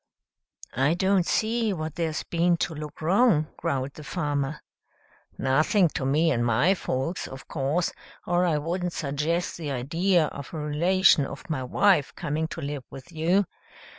"I don't see what there's been to look wrong," growled the farmer. "Nothing to me and my folks, of course, or I wouldn't suggest the idea of a relation of my wife coming to live with you.